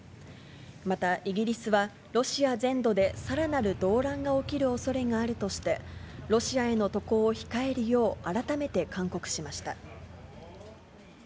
またイギリスは、ロシア全土でさらなる動乱が起きるおそれがあるとして、ロシアへの渡航を控えるよう、改めて勧告しました。